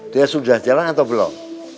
dia sudah jalan atau belum